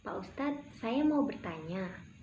pak ustadz saya mau bertanya